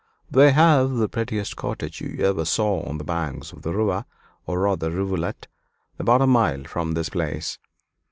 They have the prettiest cottage you ever saw on the banks of the river, or rather rivulet, about a mile from this place.